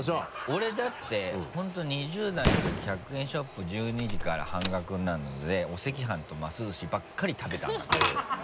俺だって本当２０代のとき１００円ショップ１２時から半額になるのでお赤飯とます寿司ばっかり食べたんだから。